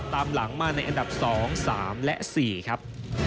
ตามหลังมาในอันดับ๒๓และ๔ครับ